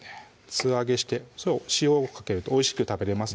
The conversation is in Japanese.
素揚げして塩をかけるとおいしく食べれます